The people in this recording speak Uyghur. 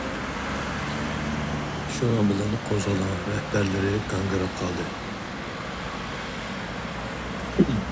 شۇنىڭ بىلەن قوزغىلاڭ رەھبەرلىرى گاڭگىراپ قالدى.